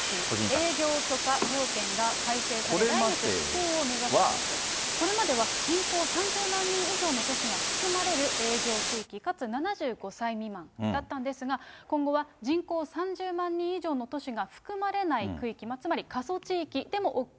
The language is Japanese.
営業許可条件が改正され、来月施行を目指していると、これまでは人口３０万人以上の都市が含まれる営業区域かつ７５歳未満だったんですが、今後は人口３０万人以上の都市が含まれない区域、つまり過疎地域でもＯＫ。